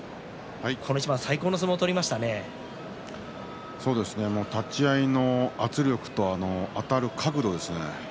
この一番、最高の相撲を立ち合いの圧力とあたる角度ですね。